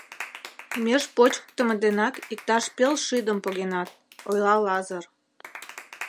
Меж почкыктымо денак иктаж пел шӱдым погенат, — ойла Лазыр.